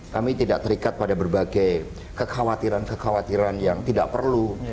kami tidak terikat pada berbagai kekhawatiran kekhawatiran yang tidak perlu